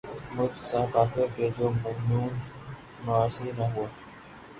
مجھ سا کافر کہ جو ممنون معاصی نہ ہوا